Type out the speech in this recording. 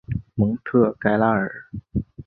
蒙特盖拉尔。